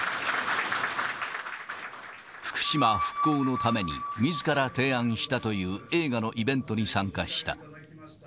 福島復興のために、みずから提案したという映画のイベントに参加した。